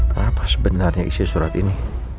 kenapa sebenarnya isi surat ini